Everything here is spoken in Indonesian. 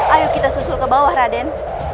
ayo kita susul ke bawah raden